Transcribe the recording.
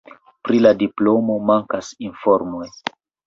Pri la diplomo mankas informoj.